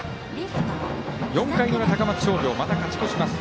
４回の裏、高松商業また勝ち越します。